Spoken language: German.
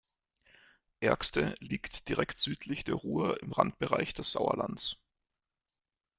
Ergste liegt direkt südlich der Ruhr im Randbereich des Sauerlands.